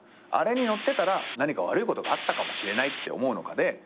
あれに乗ってたら何か悪いことがあったかもしれないって思うのかで。